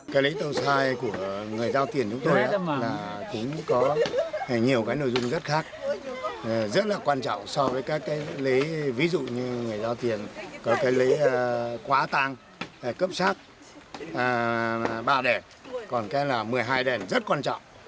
cái lấy tờ khai của người giao tiền chúng tôi là cũng có nhiều cái nội dung rất khác rất là quan trọng so với các cái ví dụ như người giao tiền có cái lễ quá tăng cấp sát ba đèn còn cái là một mươi hai đèn rất quan trọng